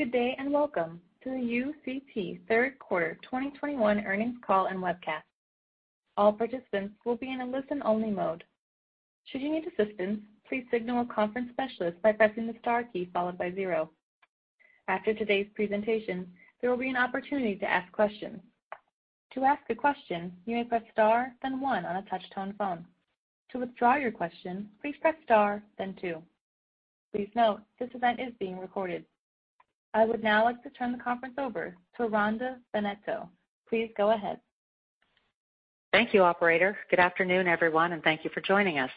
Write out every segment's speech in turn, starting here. Good day, and Welcome to the UCT Third Quarter 2021 Earnings Call and Webcast. All participants will be in a listen-only mode. Should you need assistance, please signal a conference specialist by pressing the star key followed by zero. After today's presentation, there will be an opportunity to ask questions. To ask a question, you may press star, then one on a touch-tone phone. To withdraw your question, please press star then two. Please note, this event is being recorded. I would now like to turn the conference over to Rhonda Bennetto. Please go ahead. Thank you, operator. Good afternoon, everyone, and thank you for joining us.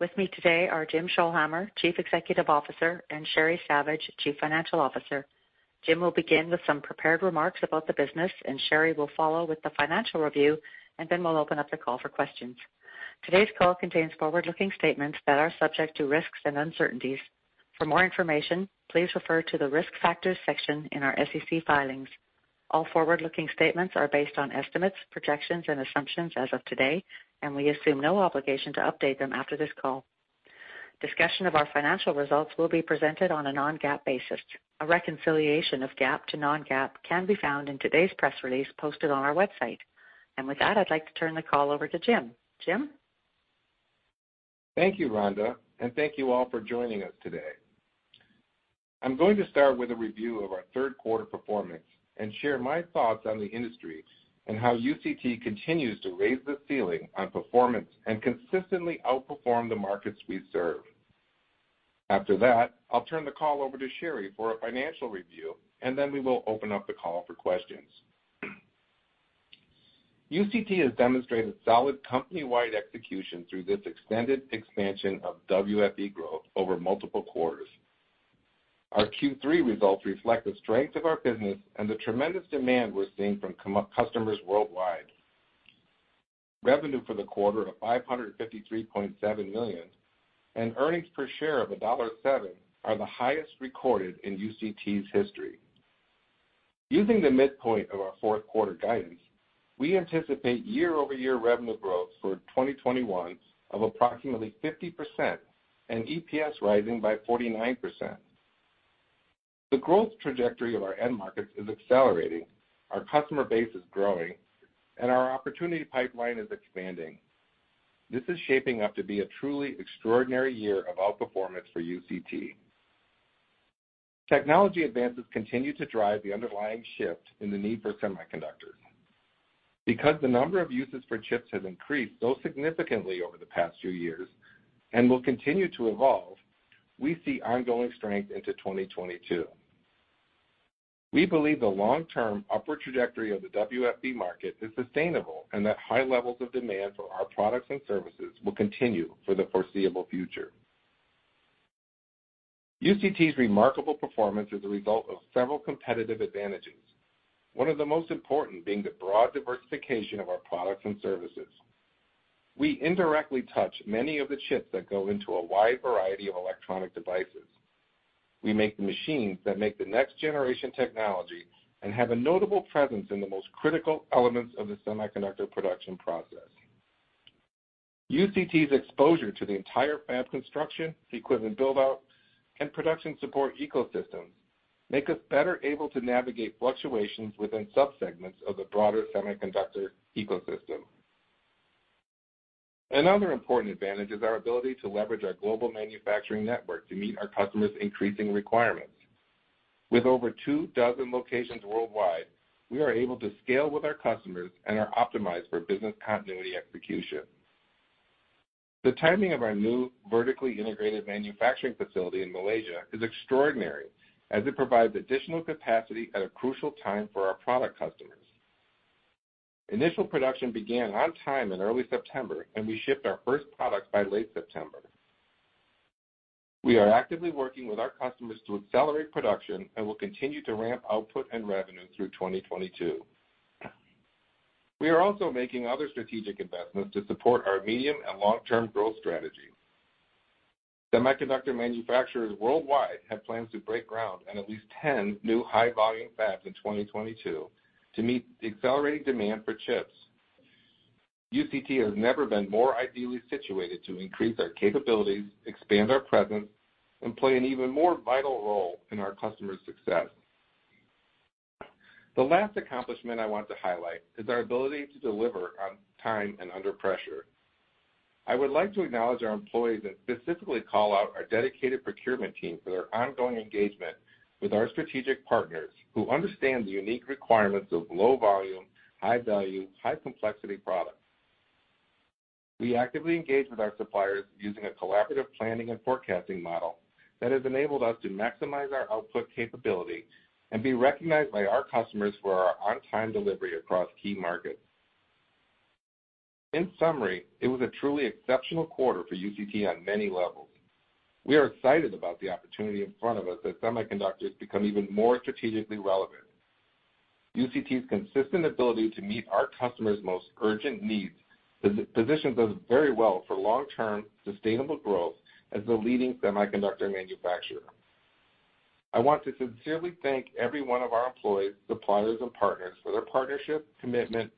With me today are Jim Scholhamer, Chief Executive Officer, and Sheri Savage, Chief Financial Officer. Jim will begin with some prepared remarks about the business, and Sheri will follow with the financial review, and then we'll open up the call for questions. Today's call contains forward-looking statements that are subject to risks and uncertainties. For more information, please refer to the Risk Factors section in our SEC filings. All forward-looking statements are based on estimates, projections, and assumptions as of today, and we assume no obligation to update them after this call. Discussion of our financial results will be presented on a non-GAAP basis. A reconciliation of GAAP to non-GAAP can be found in today's press release posted on our website. With that, I'd like to turn the call over to Jim. Jim? Thank you, Rhonda, and thank you all for joining us today. I'm going to start with a review of our third quarter performance and share my thoughts on the industry and how UCT continues to raise the ceiling on performance and consistently outperform the markets we serve. After that, I'll turn the call over to Sheri for a financial review, and then we will open up the call for questions. UCT has demonstrated solid company-wide execution through this extended expansion of WFE growth over multiple quarters. Our Q3 results reflect the strength of our business and the tremendous demand we're seeing from customers worldwide. Revenue for the quarter of $553.7 million and earnings per share of $1.07 are the highest recorded in UCT's history. Using the midpoint of our fourth quarter guidance, we anticipate year-over-year revenue growth for 2021 of approximately 50% and EPS rising by 49%. The growth trajectory of our end markets is accelerating, our customer base is growing, and our opportunity pipeline is expanding. This is shaping up to be a truly extraordinary year of outperformance for UCT. Technology advances continue to drive the underlying shift in the need for semiconductors. Because the number of uses for chips has increased so significantly over the past few years and will continue to evolve, we see ongoing strength into 2022. We believe the long-term upward trajectory of the WFE market is sustainable and that high levels of demand for our products and services will continue for the foreseeable future. UCT's remarkable performance is a result of several competitive advantages, one of the most important being the broad diversification of our products and services. We indirectly touch many of the chips that go into a wide variety of electronic devices. We make the machines that make the next-generation technology and have a notable presence in the most critical elements of the semiconductor production process. UCT's exposure to the entire fab construction, equipment build-out, and production support ecosystems make us better able to navigate fluctuations within subsegments of the broader semiconductor ecosystem. Another important advantage is our ability to leverage our global manufacturing network to meet our customers' increasing requirements. With over two dozen locations worldwide, we are able to scale with our customers and are optimized for business continuity execution. The timing of our new vertically integrated manufacturing facility in Malaysia is extraordinary as it provides additional capacity at a crucial time for our product customers. Initial production began on time in early September, and we shipped our first product by late September. We are actively working with our customers to accelerate production and will continue to ramp output and revenue through 2022. We are also making other strategic investments to support our medium and long-term growth strategy. Semiconductor manufacturers worldwide have plans to break ground in at least 10 new high-volume fabs in 2022 to meet the accelerating demand for chips. UCT has never been more ideally situated to increase our capabilities, expand our presence, and play an even more vital role in our customers' success. The last accomplishment I want to highlight is our ability to deliver on time and under pressure. I would like to acknowledge our employees and specifically call out our dedicated procurement team for their ongoing engagement with our strategic partners who understand the unique requirements of low volume, high value, high complexity products. We actively engage with our suppliers using a collaborative planning and forecasting model that has enabled us to maximize our output capability and be recognized by our customers for our on-time delivery across key markets. In summary, it was a truly exceptional quarter for UCT on many levels. We are excited about the opportunity in front of us as semiconductors become even more strategically relevant. UCT's consistent ability to meet our customers' most urgent needs positions us very well for long-term sustainable growth as the leading semiconductor manufacturer. I want to sincerely thank every one of our employees, suppliers, and partners for their partnership, commitment,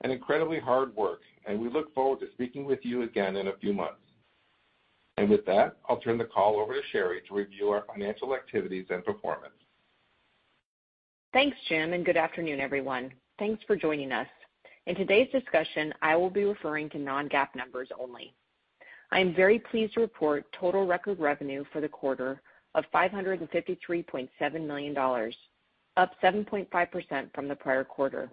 and incredibly hard work, and we look forward to speaking with you again in a few months. With that, I'll turn the call over to Sheri to review our financial activities and performance. Thanks, Jim, and good afternoon, everyone. Thanks for joining us. In today's discussion, I will be referring to non-GAAP numbers only. I am very pleased to report total record revenue for the quarter of $553.7 million, up 7.5% from the prior quarter.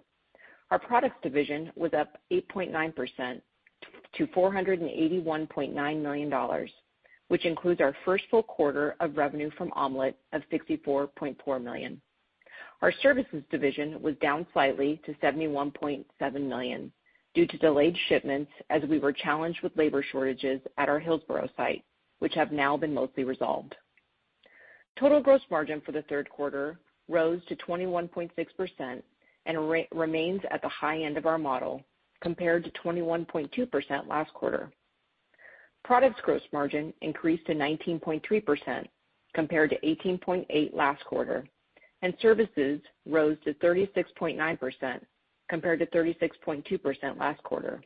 Our Products division was up 8.9% to $481.9 million, which includes our first full quarter of revenue from Ham-Let of $64.4 million. Our Services division was down slightly to $71.7 million due to delayed shipments as we were challenged with labor shortages at our Hillsboro site, which have now been mostly resolved. Total gross margin for the third quarter rose to 21.6% and remains at the high end of our model compared to 21.2% last quarter. Products gross margin increased to 19.3% compared to 18.8% last quarter, and Services rose to 36.9% compared to 36.2% last quarter.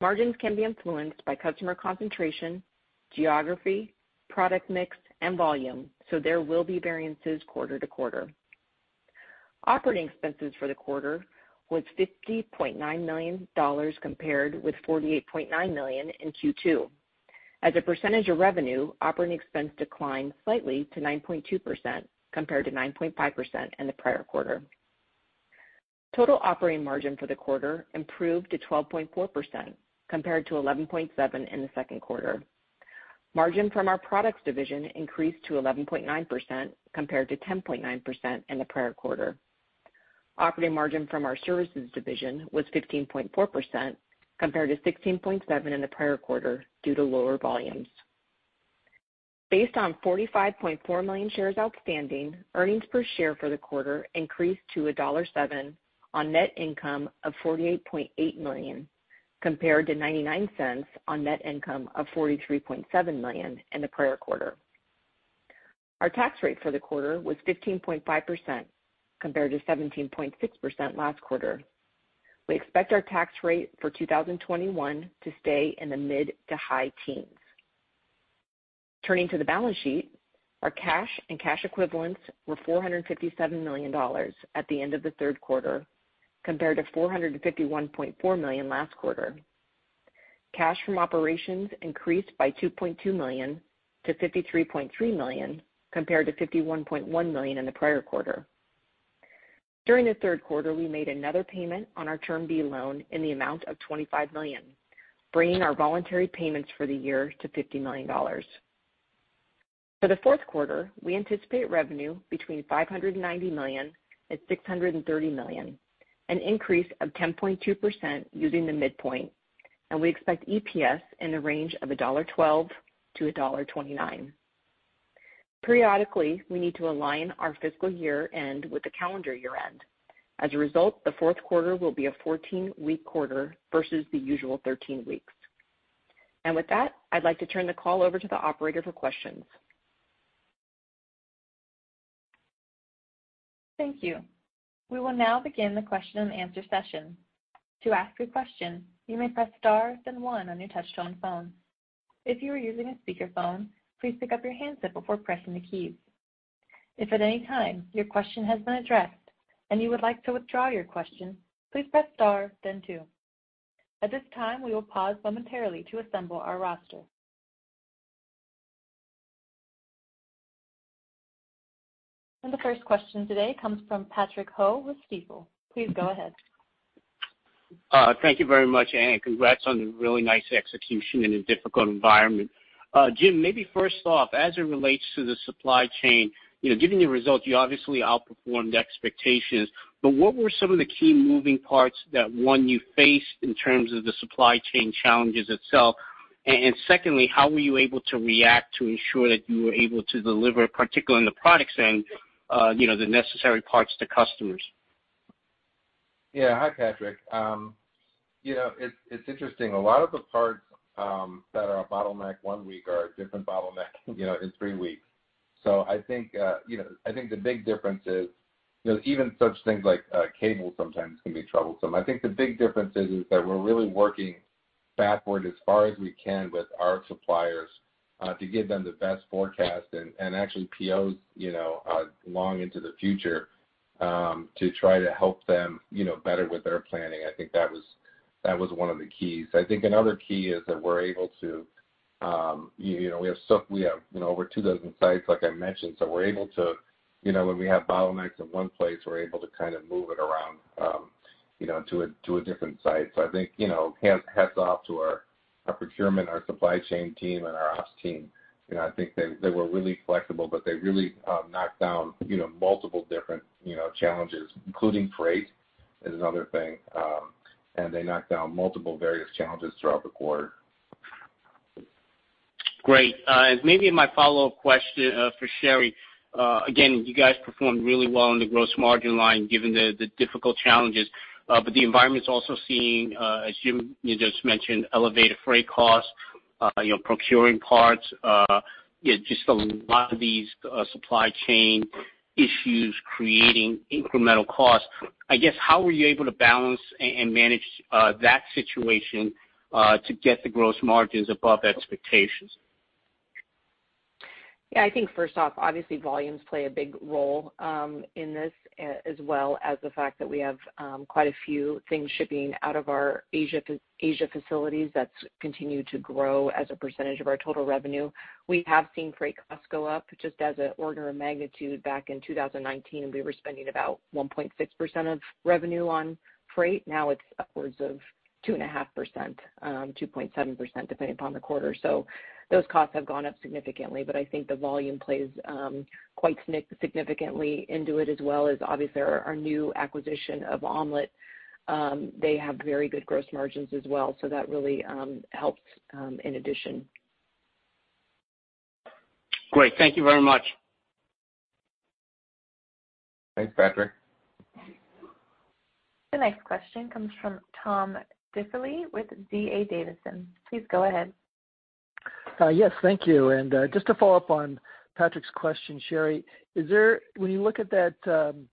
Margins can be influenced by customer concentration, geography, product mix, and volume, so there will be variances quarter to quarter. Operating expenses for the quarter was $50.9 million compared with $48.9 million in Q2. As a % of revenue, operating expense declined slightly to 9.2% compared to 9.5% in the prior quarter. Total operating margin for the quarter improved to 12.4% compared to 11.7% in the second quarter. Margin from our Products division increased to 11.9% compared to 10.9% in the prior quarter. Operating margin from our Services division was 15.4% compared to 16.7% in the prior quarter due to lower volumes. Based on 45.4 million shares outstanding, earnings per share for the quarter increased to $1.07 on net income of $48.8 million, compared to $0.99 on net income of $43.7 million in the prior quarter. Our tax rate for the quarter was 15.5% compared to 17.6% last quarter. We expect our tax rate for 2021 to stay in the mid to high teens. Turning to the balance sheet, our cash and cash equivalents were $457 million at the end of the third quarter compared to $451.4 million last quarter. Cash from operations increased by $2.2 million-$53.3 million compared to $51.1 million in the prior quarter. During the third quarter, we made another payment on our Term B loan in the amount of $25 million, bringing our voluntary payments for the year to $50 million. For the fourth quarter, we anticipate revenue between $590 million and $630 million, an increase of 10.2% using the midpoint, and we expect EPS in the range of $1.12-$1.29. Periodically, we need to align our fiscal year-end with the calendar year-end. As a result, the fourth quarter will be a 14-week quarter versus the usual 13 weeks. With that, I'd like to turn the call over to the operator for questions. Thank you. We will now begin the question and answer session. To ask a question, you may press star then one on your touchtone phone. If you are using a speakerphone, please pick up your handset before pressing the key. If at any time your question has been addressed and you would like to withdraw your question, please press star then two. At this time, we will pause momentarily to assemble our roster. The first question today comes from Patrick Ho with Stifel. Please go ahead. Thank you very much, and congrats on the really nice execution in a difficult environment. Jim, maybe first off, as it relates to the supply chain, you know, given your results, you obviously outperformed expectations. What were some of the key moving parts that, one, you faced in terms of the supply chain challenges itself? And secondly, how were you able to react to ensure that you were able to deliver, particularly in the Products end, you know, the necessary parts to customers? Yeah. Hi, Patrick. You know, it's interesting. A lot of the parts that are a bottleneck one week are a different bottleneck, you know, in three weeks. I think the big difference is, you know, even such things like cable sometimes can be troublesome. I think the big difference is that we're really working backward as far as we can with our suppliers to give them the best forecast and actually POs, you know, long into the future to try to help them, you know, better with their planning. I think that was one of the keys. I think another key is that we're able to, you know, we have, you know, over 2,000 sites, like I mentioned, so we're able to, you know, when we have bottlenecks in one place, we're able to kind of move it around, you know, to a different site. I think, you know, hats off to our procurement, our supply chain team, and our ops team. You know, I think they were really flexible, but they really knocked down, you know, multiple different challenges, including freight is another thing, and they knocked down multiple various challenges throughout the quarter. Great. Maybe my follow-up question for Sheri. Again, you guys performed really well on the gross margin line given the difficult challenges. The environment's also seeing, as Jim, you just mentioned, elevated freight costs. You know, procuring parts, you know, just a lot of these supply chain issues creating incremental costs. I guess, how were you able to balance and manage that situation to get the gross margins above expectations? Yeah. I think first off, obviously volumes play a big role in this as well as the fact that we have quite a few things shipping out of our Asia facilities that's continued to grow as a % of our total revenue. We have seen freight costs go up. Just as an order of magnitude, back in 2019, we were spending about 1.6% of revenue on freight. Now, it's upwards of 2.5%, 2.7%, depending upon the quarter. Those costs have gone up significantly, but I think the volume plays quite significantly into it, as well as obviously our new acquisition of Ham-Let. They have very good gross margins as well, so that really helps in addition. Great. Thank you very much. Thanks, Patrick. The next question comes from Tom Diffley with D.A. Davidson. Please go ahead. Yes, thank you. Just to follow up on Patrick's question, Sheri, when you look at that,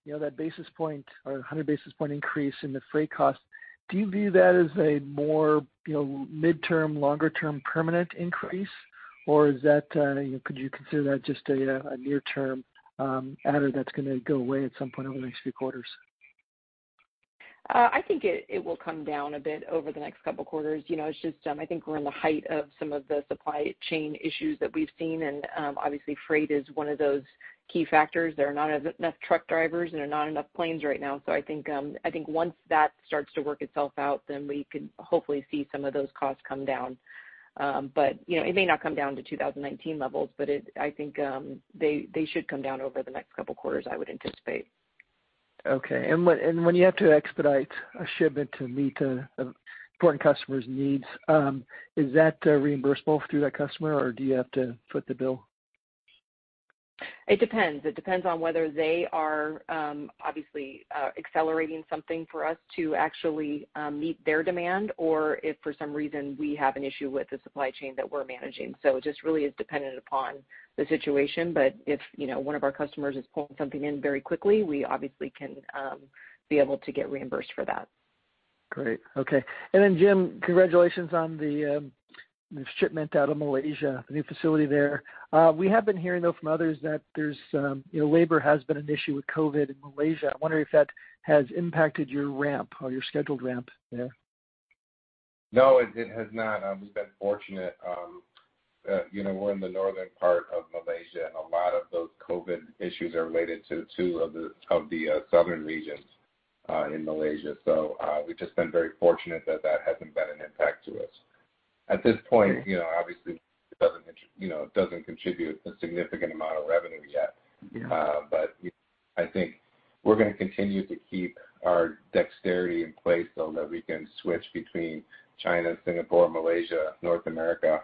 you know, that basis point or 100 basis point increase in the freight cost, do you view that as a more, you know, midterm, longer term permanent increase? Or could you consider that just a near-term adder that's gonna go away at some point over the next few quarters? I think it will come down a bit over the next couple quarters. You know, it's just I think we're in the height of some of the supply chain issues that we've seen, and obviously freight is one of those key factors. There are not enough truck drivers, and there are not enough planes right now. I think once that starts to work itself out, then we can hopefully see some of those costs come down. But you know, it may not come down to 2019 levels, but I think they should come down over the next couple quarters, I would anticipate. Okay. When you have to expedite a shipment to meet important customers' needs, is that reimbursable through that customer, or do you have to foot the bill? It depends. It depends on whether they are, obviously, accelerating something for us to actually, meet their demand or if for some reason we have an issue with the supply chain that we're managing. It just really is dependent upon the situation. If, you know, one of our customers is pulling something in very quickly, we obviously can be able to get reimbursed for that. Great. Okay. Jim, congratulations on the shipment out of Malaysia, the new facility there. We have been hearing, though, from others that there's, you know, labor has been an issue with COVID in Malaysia. I wonder if that has impacted your ramp or your scheduled ramp there. No, it has not. We've been fortunate, you know, we're in the northern part of Malaysia, and a lot of those COVID issues are related to two of the southern regions in Malaysia. We've just been very fortunate that hasn't been an impact to us. At this point, you know, obviously it doesn't, you know, it doesn't contribute a significant amount of revenue yet. Yeah. I think we're gonna continue to keep our dexterity in place so that we can switch between China, Singapore, Malaysia, North America,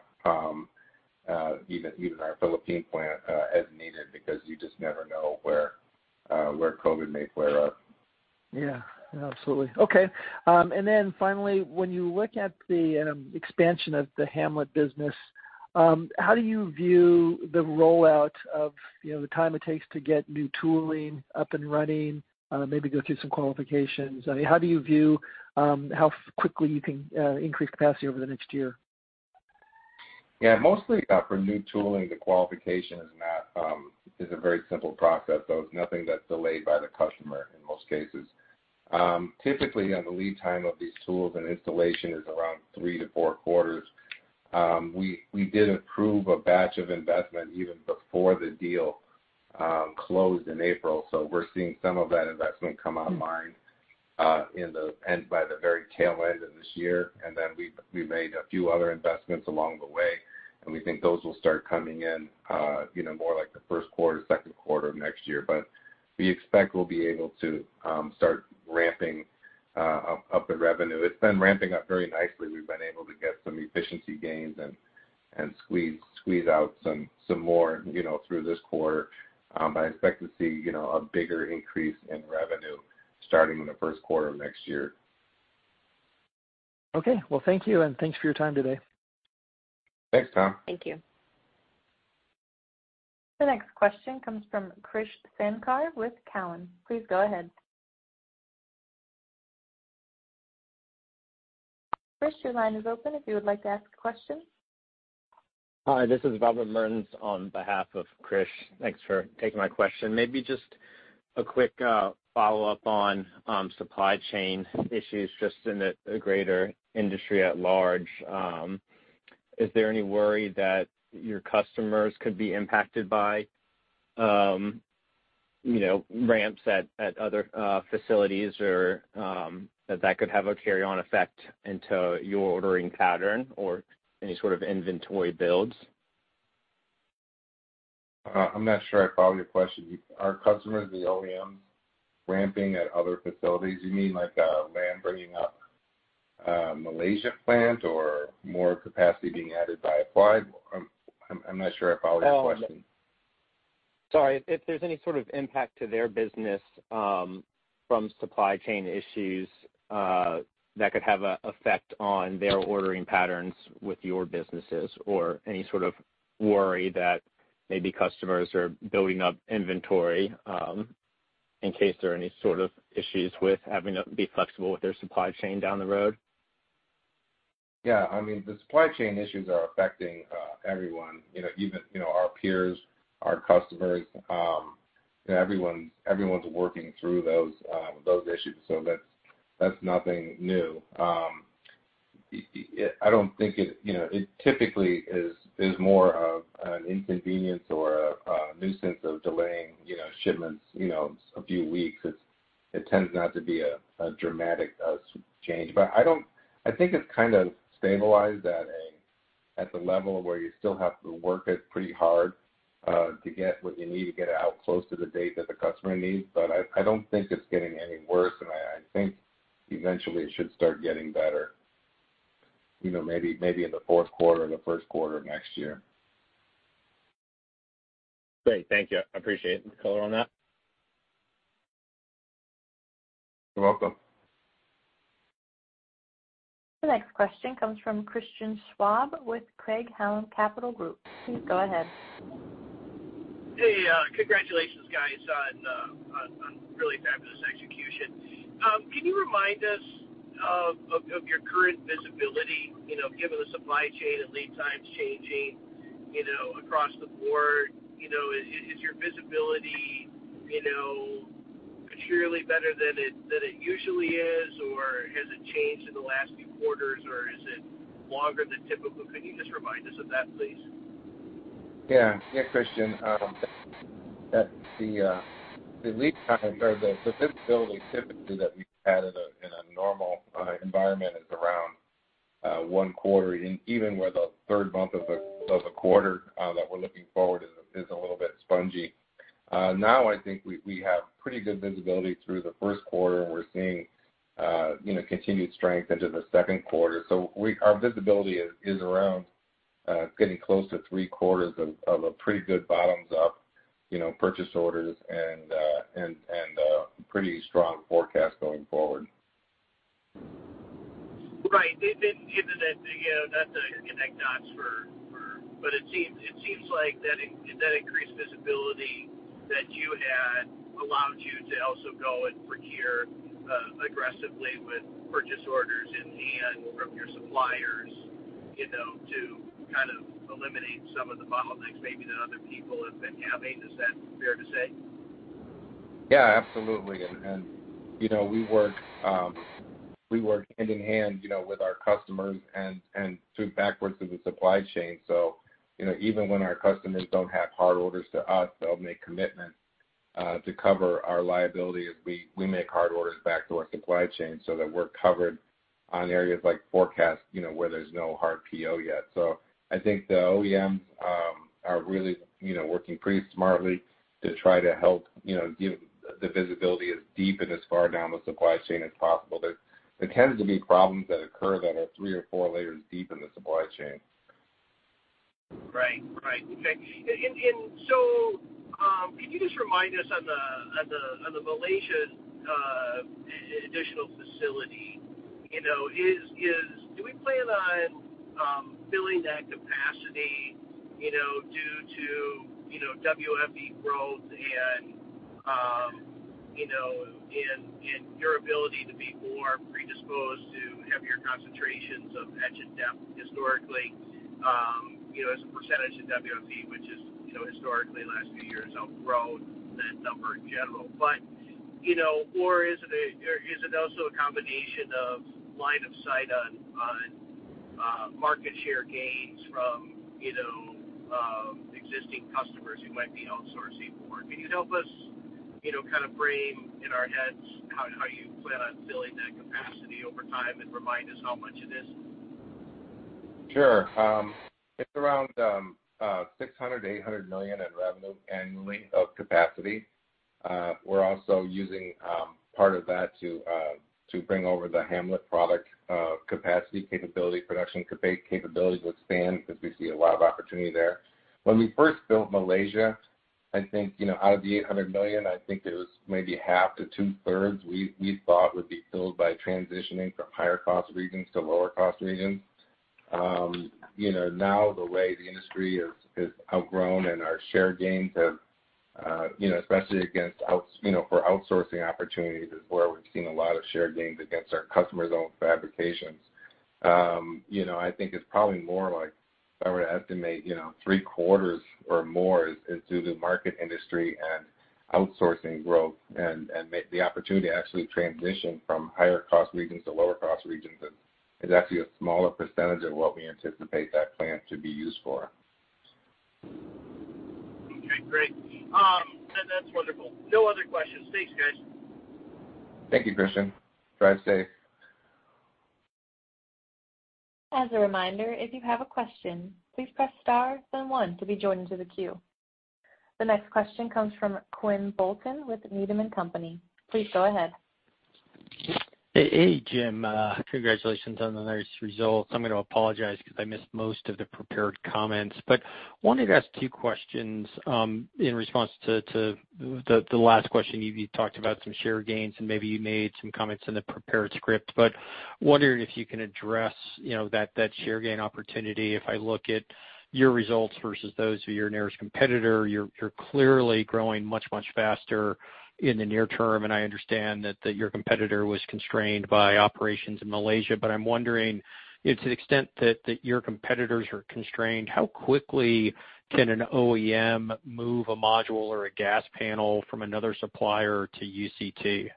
even our Philippine plant, as needed because you just never know where COVID may flare up. Yeah. Yeah, absolutely. Okay. Finally, when you look at the expansion of the Ham-Let business, how do you view the rollout of, you know, the time it takes to get new tooling up and running, maybe go through some qualifications? I mean, how do you view how quickly you can increase capacity over the next year? Yeah. Mostly, for new tooling, the qualification is a very simple process. It's nothing that's delayed by the customer in most cases. Typically, you know, the lead time of these tools and installation is around three to four quarters. We did approve a batch of investment even before the deal closed in April, so we're seeing some of that investment come online in the end by the very tail end of this year. We made a few other investments along the way, and we think those will start coming in, you know, more like the first quarter, second quarter of next year. We expect we'll be able to start ramping up the revenue. It's been ramping up very nicely. We've been able to get some efficiency gains and squeeze out some more, you know, through this quarter. I expect to see, you know, a bigger increase in revenue starting in the first quarter of next year. Okay. Well, thank you, and thanks for your time today. Thanks, Tom. Thank you. The next question comes from Krish Sankar with Cowen. Please go ahead. Krish, your line is open if you would like to ask a question. Hi, this is Robert Mertens on behalf of Krish. Thanks for taking my question. Maybe just a quick follow-up on supply chain issues just in the greater industry at large. Is there any worry that your customers could be impacted by you know, ramps at other facilities or that could have a carry-on effect into your ordering pattern or any sort of inventory builds? I'm not sure I follow your question. Are customers, the OEMs, ramping at other facilities? You mean like, Lam bringing up a Malaysia plant or more capacity being added by Applied? I'm not sure I follow your question. Sorry, if there's any sort of impact to their business, from supply chain issues, that could have an effect on their ordering patterns with your businesses or any sort of worry that maybe customers are building up inventory, in case there are any sort of issues with having to be flexible with their supply chain down the road? Yeah. I mean, the supply chain issues are affecting everyone, you know, even you know, our peers, our customers. You know, everyone's working through those issues, so that's nothing new. You know, it typically is more of an inconvenience or a nuisance of delaying, you know, shipments, you know, a few weeks. It tends not to be a dramatic change. I think it's kind of stabilized at the level where you still have to work it pretty hard to get what you need to get out close to the date that the customer needs. I don't think it's getting any worse, and I think eventually it should start getting better, you know, maybe in the fourth quarter or the first quarter next year. Great. Thank you. I appreciate the color on that. You're welcome. The next question comes from Christian Schwab with Craig-Hallum Capital Group. Please go ahead. Hey, congratulations, guys, on really fabulous execution. Can you remind us of your current visibility? You know, given the supply chain and lead times changing, you know, across the board, you know, is your visibility, you know, materially better than it usually is, or has it changed in the last few quarters, or is it longer than typical? Can you just remind us of that, please? Yeah. Yeah, Christian. The lead time or the visibility typically that we've had in a normal environment is around one quarter, and even where the third month of a quarter that we're looking forward is a little bit spongy. Now I think we have pretty good visibility through the first quarter, and we're seeing you know, continued strength into the second quarter. Our visibility is around getting close to three quarters of a pretty good bottoms up, you know, purchase orders and pretty strong forecast going forward. Right. Given that, you know, not to connect dots for. It seems like that increased visibility that you had allowed you to also go and procure aggressively with purchase orders in hand from your suppliers, you know, to kind of eliminate some of the bottlenecks maybe that other people have been having. Is that fair to say? Yeah, absolutely. We work hand in hand, you know, with our customers and backwards through the supply chain. Even when our customers don't have hard orders to us, they'll make commitments to cover our liability as we make hard orders back to our supply chain so that we're covered on areas like forecast, you know, where there's no hard PO yet. I think the OEMs are really, you know, working pretty smartly to try to help, you know, give the visibility as deep and as far down the supply chain as possible. There tends to be problems that occur that are three or four layers deep in the supply chain. Right. Okay. Can you just remind us on the Malaysia additional facility, you know? Do we plan on filling that capacity, you know, due to WFE growth and your ability to be more predisposed to heavier concentrations of etch and dep historically, you know, as a % of WFE, which is, you know, historically last few years outgrown that number in general. Or is it also a combination of line of sight on market share gains from existing customers who might be outsourcing more? Can you help us, you know, kind of frame in our heads how you plan on filling that capacity over time and remind us how much it is? Sure. It's around $600 million-$800 million in revenue annually of capacity. We're also using part of that to bring over the Ham-Let product capacity capability, production capability to expand, because we see a lot of opportunity there. When we first built Malaysia, I think, you know, out of the $800 million, I think it was maybe half to two-thirds we thought would be filled by transitioning from higher cost regions to lower cost regions. You know, now the way the industry has outgrown and our share gains have, you know, especially against outsourcing opportunities is where we've seen a lot of share gains against our customers' own fabrications. You know, I think it's probably more like I would estimate, you know, three-quarters or more is due to market industry and outsourcing growth. The opportunity to actually transition from higher cost regions to lower cost regions is actually a smaller % of what we anticipate that plant to be used for. Okay, great. That's wonderful. No other questions. Thanks, guys. Thank you, Christian. Drive safe. As a reminder, if you have a question, please press star then one to be joined into the queue. The next question comes from Quinn Bolton with Needham & Company. Please go ahead. Hey, Jim, congratulations on the nice results. I'm gonna apologize because I missed most of the prepared comments, but wanted to ask two questions in response to the last question. You talked about some share gains and maybe you made some comments in the prepared script, but wondering if you can address that share gain opportunity. If I look at your results versus those of your nearest competitor, you're clearly growing much faster in the near term, and I understand that your competitor was constrained by operations in Malaysia. I'm wondering if to the extent that your competitors are constrained, how quickly can an OEM move a module or a gas panel from another supplier to UCT?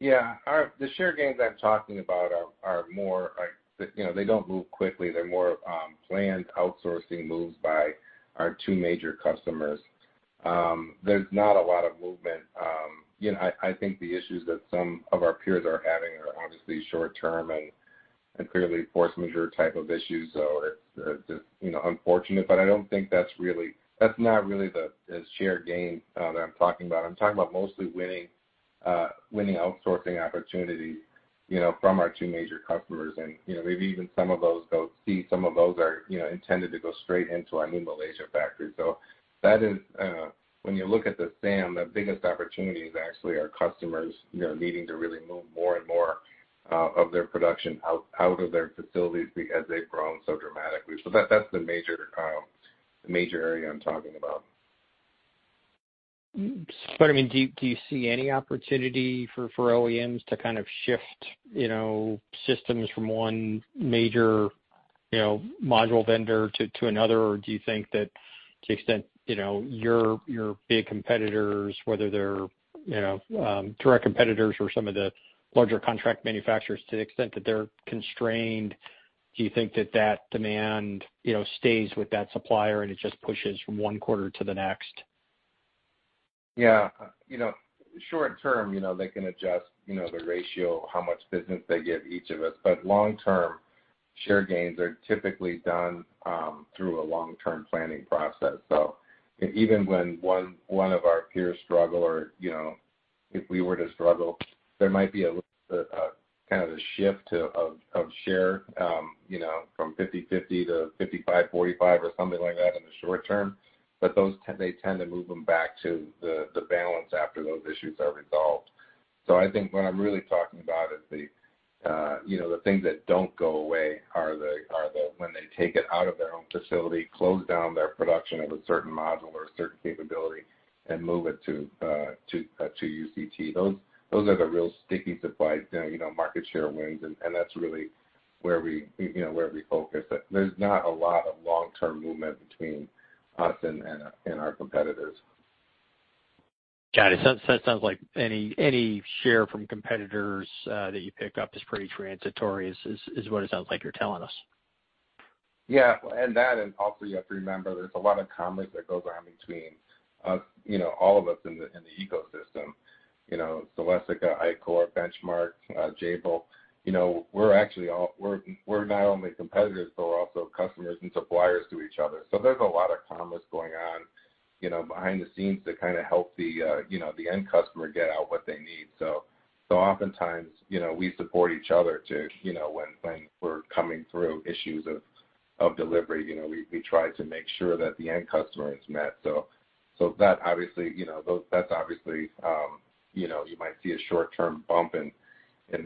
Yeah. Our share gains I'm talking about are more like, you know, they don't move quickly. They're more planned outsourcing moves by our two major customers. There's not a lot of movement. You know, I think the issues that some of our peers are having are obviously short-term and clearly force majeure type of issues, so it's, you know, unfortunate. I don't think that's really the share gain that I'm talking about. I'm talking about mostly winning outsourcing opportunities, you know, from our two major customers and, you know, maybe even some of those are, you know, intended to go straight into our new Malaysia factory. That is, when you look at the SAM, the biggest opportunities actually are customers, you know, needing to really move more and more of their production out of their facilities because they've grown so dramatically. That's the major area I'm talking about. I mean, do you see any opportunity for OEMs to kind of shift, you know, systems from one major, you know, module vendor to another, or do you think that to the extent, you know, your big competitors, whether they're, you know, direct competitors or some of the larger contract manufacturers to the extent that they're constrained, do you think that demand stays with that supplier and it just pushes from one quarter to the next? Yeah. You know, short-term, you know, they can adjust, you know, the ratio, how much business they give each of us. Long-term, share gains are typically done through a long-term planning process. Even when one of our peers struggle or, you know, if we were to struggle, there might be a kind of a shift of share, you know, from 50/50 to 55/45 or something like that in the short term, but they tend to move them back to the balance after those issues are resolved. I think what I'm really talking about is the, you know, the things that don't go away are the when they take it out of their own facility, close down their production of a certain module or a certain capability and move it to UCT. Those are the real sticky supplies, you know, market share wins and that's really where we focus. But there's not a lot of long-term movement between us and our competitors. Got it. It sounds like any share from competitors that you pick up is pretty transitory, is what it sounds like you're telling us. Yeah. That, and also you have to remember there's a lot of commerce that goes on between us, you know, all of us in the ecosystem. You know, Celestica, Ichor, Benchmark, Jabil. You know, we're actually all. We're not only competitors, but we're also customers and suppliers to each other. There's a lot of commerce going on, you know, behind the scenes to kinda help the, you know, the end customer get out what they need. Oftentimes, you know, we support each other to, you know, when things were coming through issues of delivery. You know, we try to make sure that the end customer is met. That obviously, you know, that's obviously, you know, you might see a short-term bump in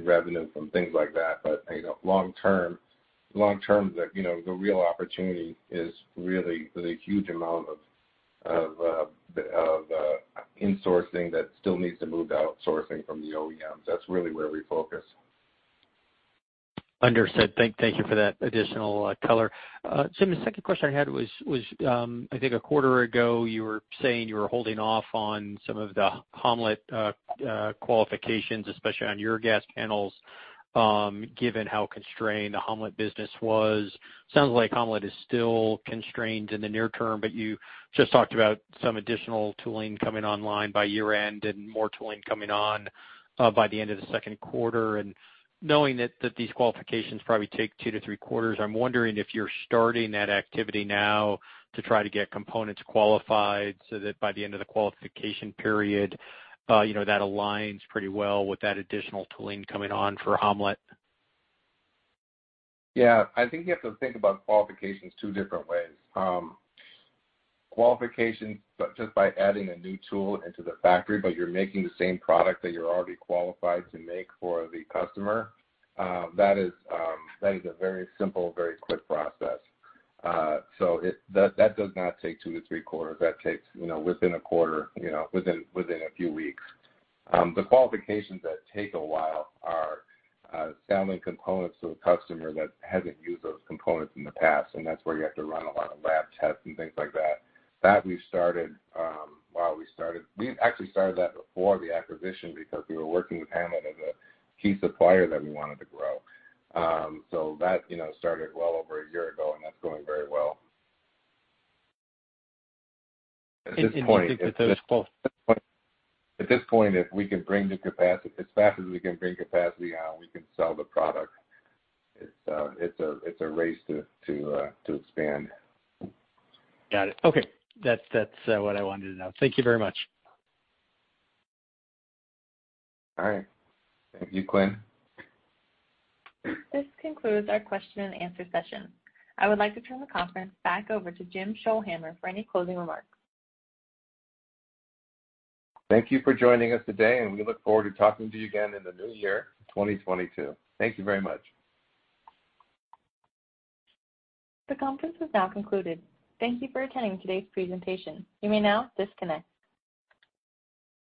revenue from things like that. You know, long term, the real opportunity is really huge amount of insourcing that still needs to move to outsourcing from the OEMs. That's really where we focus. Understood. Thank you for that additional color. Jim, the second question I had was, I think a quarter ago you were saying you were holding off on some of the Ham-Let qualifications, especially on your gas panels, given how constrained the Ham-Let business was. Sounds like Ham-Let is still constrained in the near term, but you just talked about some additional tooling coming online by year-end and more tooling coming on by the end of the second quarter. Knowing that these qualifications probably take two to three quarters, I'm wondering if you're starting that activity now to try to get components qualified so that by the end of the qualification period, you know, that aligns pretty well with that additional tooling coming on for Ham-Let. Yeah. I think you have to think about qualifications two different ways. Qualifications just by adding a new tool into the factory, but you're making the same product that you're already qualified to make for the customer, that is, that is a very simple, very quick process. That does not take two to three quarters. That takes, you know, within a quarter, you know, within a few weeks. The qualifications that take a while are selling components to a customer that hasn't used those components in the past, and that's where you have to run a lot of lab tests and things like that. We actually started that before the acquisition because we were working with Ham-Let as a key supplier that we wanted to grow. That, you know, started well over a year ago, and that's going very well. In At this point, if we can bring the capacity as fast as we can bring capacity on, we can sell the product. It's a race to expand. Got it. Okay. That's what I wanted to know. Thank you very much. All right. Thank you, Quinn. This concludes our question and answer session. I would like to turn the conference back over to Jim Scholhamer for any closing remarks. Thank you for joining us today, and we look forward to talking to you again in the new year, 2022. Thank you very much. The conference has now concluded. Thank you for attending today's presentation. You may now disconnect.